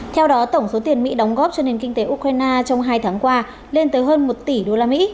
theo đó tổng số tiền mỹ đóng góp cho nền kinh tế ukraine trong hai tháng qua lên tới hơn một tỷ usd